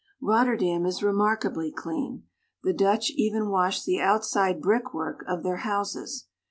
Rotterdam is remarkably clean : the Dutch even wash the outside brick work of their houses.